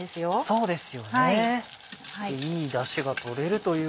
そうですね。